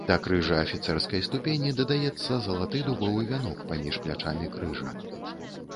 Да крыжа афіцэрскай ступені дадаецца залаты дубовы вянок паміж плячамі крыжа.